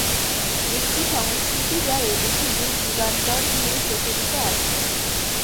একটি সংস্কৃতি যা এদেশে যুগ যুগান্তর ধরে প্রচলিত আছে।।